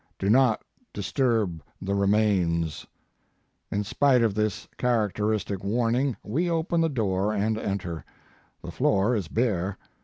Do not Dis | turb the Remains ! "In spite of this characteristic warning we open the door and enter. The floor is bare.